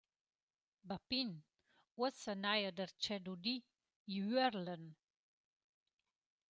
«Bapin, uossa n’haja darcheu dudi, i üerlan!»